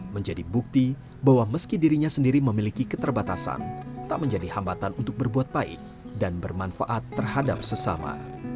menjadi bukti bahwa meski dirinya sendiri memiliki keterbatasan tak menjadi hambatan untuk berbuat baik dan bermanfaat terhadap sesama